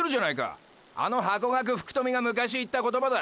あのハコガク福富が昔言った言葉だ。